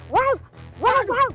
suaranya ini ketil